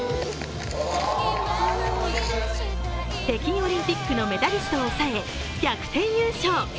北京オリンピックのメダリストを抑え、逆転優勝。